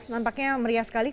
nampaknya meriah sekali